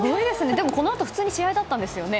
でも、このあと普通に試合だったんですよね？